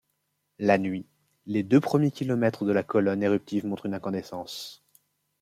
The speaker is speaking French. La nuit, les deux premiers kilomètres de la colonne éruptive montrent une incandescence.